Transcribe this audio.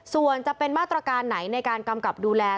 ส่วนจะเป็นมาตรการไหนในการกำกับดูแล